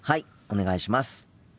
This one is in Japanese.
お願いします。